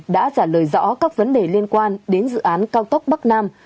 đã giả lời rõ các vấn đề liên quan đến dự án cao tốc bắc nam